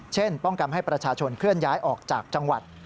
ป้องกันให้ประชาชนเคลื่อนย้ายออกจากจังหวัด